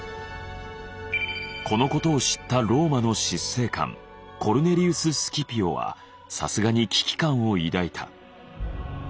このことを知ったローマの執政官コルネリウス・スキピオはさすがに危機感を抱いた。